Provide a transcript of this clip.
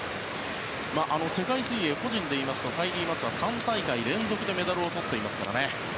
世界水泳、個人で言いますとカイリー・マスは３大会連続でメダルをとっています。